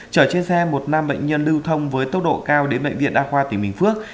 chở trên xe một nam bệnh nhân lưu thông với tốc độ cao đến bệnh viện đa khoa tỉnh bình phước